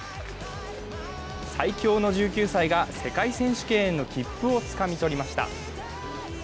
最強の１９歳が、世界選手権への切符をつかみ取りました。